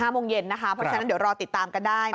โมงเย็นนะคะเพราะฉะนั้นเดี๋ยวรอติดตามกันได้